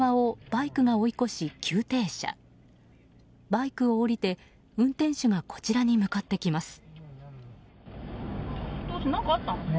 バイクを降りて、運転手がこちらに向かってきます。